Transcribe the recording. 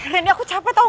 randy aku capek tau